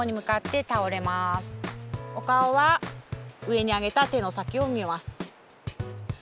お顔は上にあげた手の先を見ます。